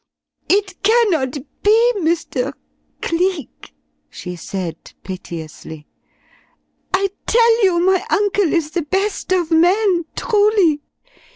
"It cannot be, Mr. Cleek!" she said piteously. "I tell you my uncle is the best of men, truly!